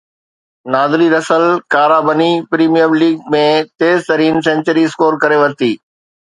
نادري Russell ڪارابني premier league ۾ تيز ترين سينچري اسڪور ڪري ورتي